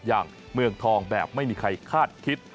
เมืองทองแบบไม่มีใครคาดคิด